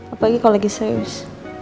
apalagi kalau lagi serius